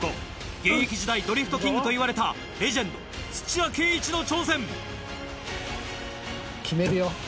現役時代ドリフトキングといわれたレジェンド土屋圭市の挑戦。